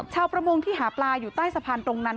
ชาวประมงที่หาปลาอยู่ใต้สะพานตรงนั้น